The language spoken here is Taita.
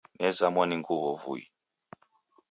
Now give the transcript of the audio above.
Nezamwa ni nguw'o vui.